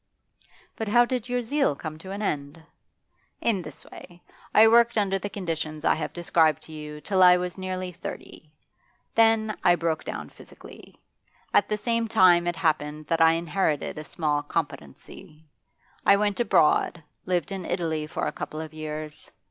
'But how did your zeal come to an end?' 'In this way; I worked under the conditions I have described to you till I was nearly thirty. Then. I broke down physically. At the same time it happened that I inherited a small competency. I went abroad, lived in Italy for a couple of years.